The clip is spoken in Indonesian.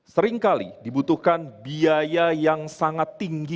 seringkali dibutuhkan biaya yang sangat tinggi